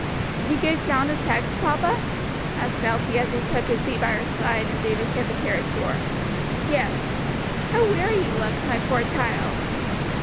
"Did you give John the checks, papa?" asked Elsie as he took his seat by her side, and Davis shut the carriage door. "Yes. How weary you look, my poor child!